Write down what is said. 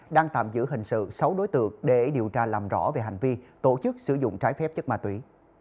đang tạm giữ hình sự sáu đối tượng để điều tra làm rõ về hành vi tổ chức sử dụng trái phép chất ma túy